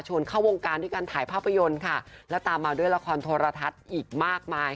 ชวนเข้าวงการด้วยการถ่ายภาพยนตร์ค่ะ